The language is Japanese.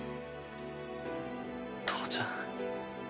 父ちゃん。